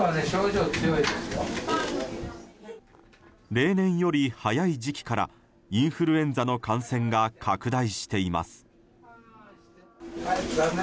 例年より早い時期からインフルエンザの感染が拡大しています。